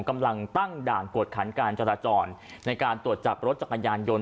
กำลังตั้งด่านกวดขันการจราจรในการตรวจจับรถจักรยานยนต์